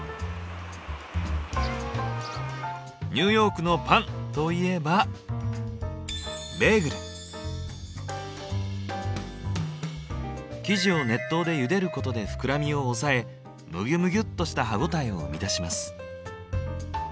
「ニューヨークのパン！」といえば生地を熱湯でゆでることで膨らみを抑えムギュムギュっとした歯応えを生み出します。